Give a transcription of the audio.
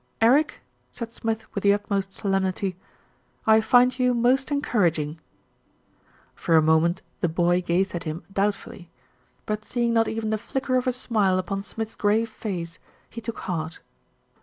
"Eric," said Smith with the utmost solemnity, "I find you most encouraging." For a moment the boy gazed at him doubtfully; 264 THE RETURN OF ALFRED but seeing not even the flicker of a smile upon Smith's grave face, he took heart.